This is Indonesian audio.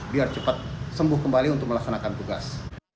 biar cepat sembuh kembali untuk melaksanakan tugas